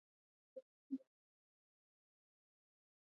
ازادي راډیو د مالي پالیسي په اړه په ژوره توګه بحثونه کړي.